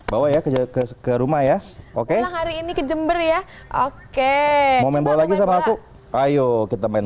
bawa ya ke rumah ya oke hari ini ke jember ya oke mau main bola lagi sama aku ayo kita main